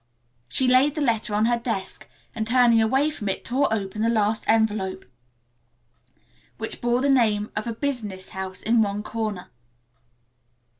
She laid the letter on her desk and turning away from it tore open the last envelope, which bore the name of a business house in one corner.